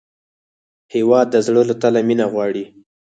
هېواد د زړه له تله مینه غواړي.